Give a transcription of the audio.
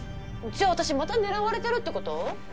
じゃあ私また狙われてるってこと？